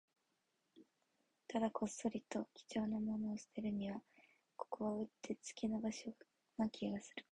ただ、こっそりと貴重なものを捨てるには、ここはうってつけな場所な気がするから